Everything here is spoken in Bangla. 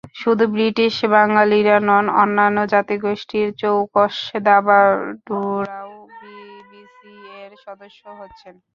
শুধু ব্রিটিশ বাঙালিরা নন, অন্যান্য জাতিগোষ্ঠীর চৌকস দাবাড়ুরাও বিবিসিএর সদস্য হচ্ছেন।